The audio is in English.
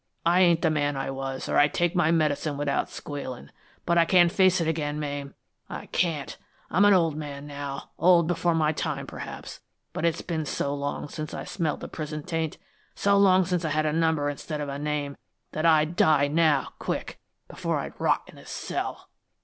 I ain't the man I was, or I'd take my medicine without squealin', but I can't face it again, Mame, I can't! I'm an old man now, old before my time, perhaps, but it's been so long since I smelled the prison taint, so long since I had a number instead of a name, that I'd die now, quick, before I'd rot in a cell!"